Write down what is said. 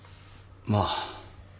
まあ。